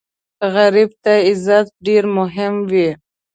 غریب ته عزت ډېر مهم وي